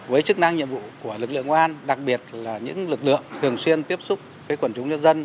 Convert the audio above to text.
với chức năng nhiệm vụ của lực lượng công an đặc biệt là những lực lượng thường xuyên tiếp xúc với quần chúng nhân dân